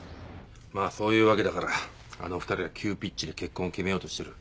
まあそういうわけだからあの２人は急ピッチで結婚を決めようとしてる。